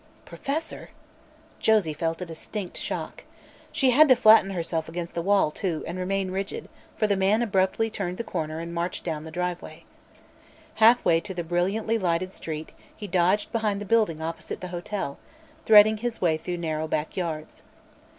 Professor! Josie felt a distinct shock. She had to flatten herself against the wall, too, and remain rigid, for the man abruptly turned the corner and marched down the driveway. Half way to the brilliantly lighted street he dodged behind the building opposite the hotel, threading his way through narrow back yards.